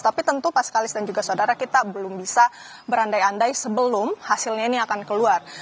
tapi tentu pas kalis dan juga saudara kita belum bisa berandai andai sebelum hasilnya ini akan keluar